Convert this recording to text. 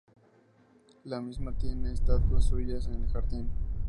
La misma tiene varias estatuas suyas en el jardín.